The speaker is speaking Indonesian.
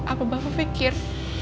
apa bapak pikir